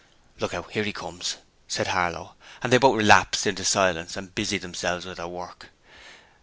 'Look out! Ere 'e comes!' said Harlow, and they both relapsed into silence and busied themselves with their work.